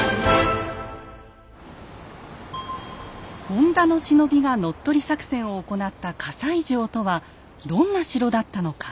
本田の忍びが乗っ取り作戦を行った西城とはどんな城だったのか。